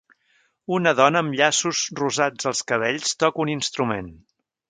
Una dona amb llaços rosats als cabells toca un instrument.